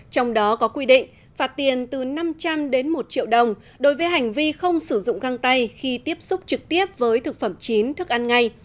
trong đó có quy định phạt tiền từ năm trăm linh đến một triệu đồng đối với hành vi không sử dụng găng tay khi tiếp xúc trực tiếp với thực phẩm chín thức ăn ngay